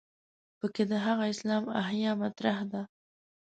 په کې د هغه اسلام احیا مطرح ده.